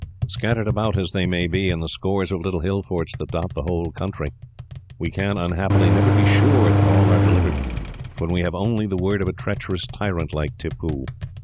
Scattered about as they may be, in the scores of little hill forts that dot the whole country, we can, unhappily, never be sure that all are delivered, when we have only the word of a treacherous tyrant like Tippoo.